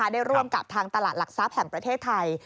ได้ร่วมกับทางตลาดหลักทรัพย์แห่งประเทศไทย